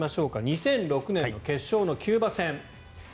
２００６年の決勝のキューバ戦。